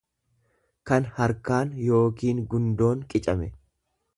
kan harkaan yookiin gundoon qicame.